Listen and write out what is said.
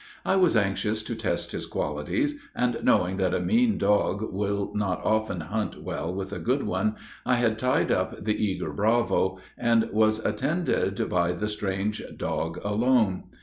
I was anxious to test his qualities, and, knowing that a mean dog will not often hunt well with a good one, I had tied up the eager Bravo, and was attended by the strange dog alone.